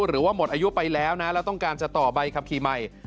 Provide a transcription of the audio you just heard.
หรือว่าหมดอายุไปแล้วนะแล้วต้องการจะต่อใบขับขี่ใหม่